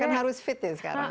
karena kan harus fit ya sekarang